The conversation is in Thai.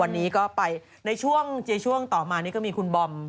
วันนี้ก็ไปในช่วงต่อมานี่ก็มีคุณบอม